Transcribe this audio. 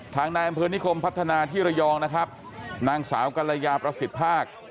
ทางนายอำเภอนิคมพัฒนาที่ระยองนะครับนางสาวกรยาประสิทธิ์ภาค